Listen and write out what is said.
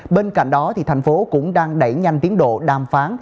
bên cạnh đó thành phố cũng đang đẩy nhanh tiến độ đàm phán